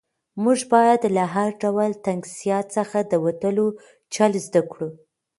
موږ باید له هر ډول تنګسیا څخه د وتلو چل زده کړو.